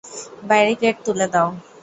Barricade তুলে দাও।